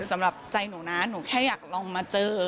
สำหรับใจหนูนะหนูแค่อยากลองมาเจอ